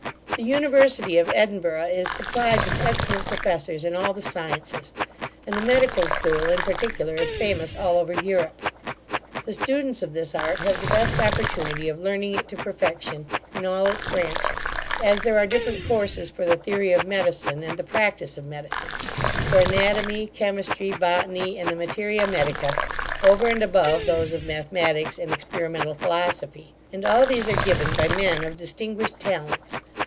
The university of Edinburgh is supplied with excellent professors in all the sciences; and the medical school, in particular, is famous all over Europe. The students of this art have the best opportunity of learning it to perfection, in all its branches, as there are different courses for the theory of medicine and the practice of medicine; for anatomy, chemistry, botany, and the materia medica, over and above those of mathematics and experimental philosophy; and all these are given by men of distinguished talents.